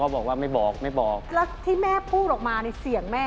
พระอาจารย์วิรัยที่เป็นพระฤาษีชุดข่าว